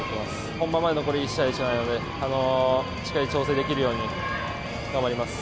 本番まで残り１試合しかないので、しっかり調整できるように頑張ります。